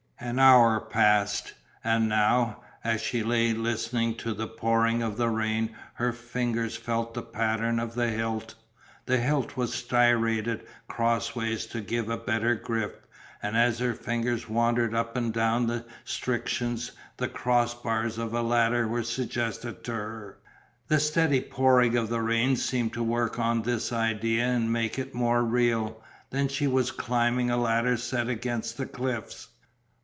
An hour passed, and now, as she lay listening to the pouring of the rain her fingers felt the pattern of the hilt. The hilt was striated cross ways to give a better grip, and as her fingers wandered up and down the strictions the cross bars of a ladder were suggested to her. The steady pouring of the rain seemed to work on this idea and make it more real. Then she was climbing a ladder set against the cliffs.